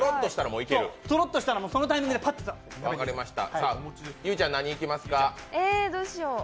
とろっとしたらそのタイミングでいけます。